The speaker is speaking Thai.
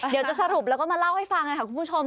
เดี๋ยวจะสรุปแล้วก็มาเล่าให้ฟังกันค่ะคุณผู้ชม